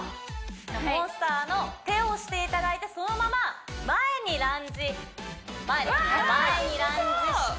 モンスターの手をしていただいてそのまま前にランジ前ですね